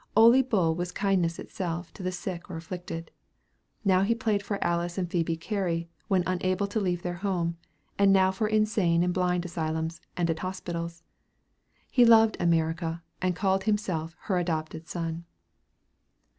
Ole Bull was kindness itself to the sick or afflicted. Now he played for Alice and Phoebe Carey, when unable to leave their home, and now for insane and blind asylums and at hospitals. He loved America, and called himself "her adopted son."